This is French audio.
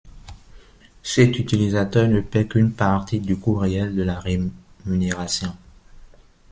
Cet utilisateur ne paie qu'une partie du coût réel de la rémunération.